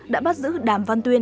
đã bắt giữ đàm văn tuyên